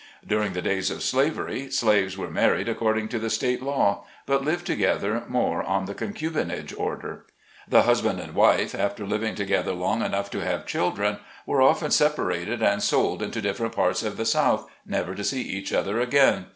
During the days of slavery slaves were married according to the state law, but lived together more on the concubinage order. The husband and wife, after living together 90 SLAVE CABIN TO PULPIT. long enough to have children, were often separated and sold into different parts of the South, never to see each other again.